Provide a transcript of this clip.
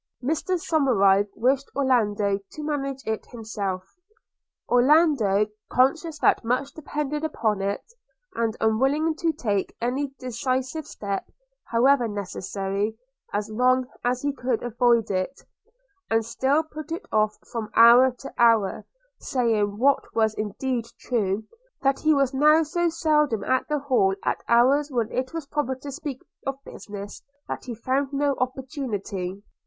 Mr Somerive wished Orlando to manage it himself. – Orlando, conscious that much depended upon it, and unwilling to take any decisive step, however necessary, as long as he could avoid it, had still put it off from hour to hour; saying, what was indeed true, that he was now so seldom at the Hall at hours when it was proper to speak of business, that he found no opportunity.